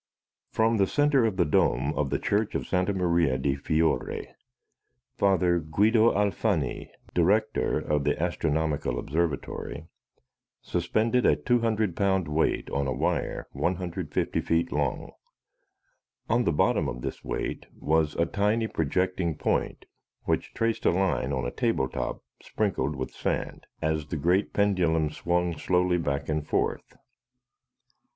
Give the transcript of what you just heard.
From the center of the dome of the Church of Santa Maria di Fiore, Father Guido Alfani, director of the Astronomical Observatory, suspended a 200 pound weight on a wire 150 feet long. On the bottom of this weight was a tiny projecting point which traced a line on a table top sprinkled with sand, as the great pendulum swung slowly back and forth.